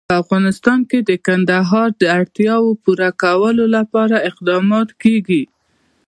په افغانستان کې د کندهار د اړتیاوو پوره کولو لپاره اقدامات کېږي.